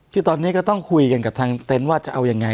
คือตอนนี้ก็ต้องคุยกันกับทางเต็นต์ว่าจะเอายังไง